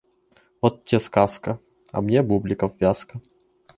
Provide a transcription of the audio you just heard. Вот тебе сказка, а мне бубликов вязка.